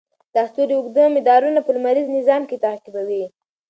دا ستوري اوږده مدارونه په لمریز نظام کې تعقیبوي.